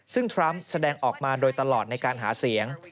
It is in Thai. ซึ่งทรัมป์แสดงออกมาโดยตลอดในการหาเสียง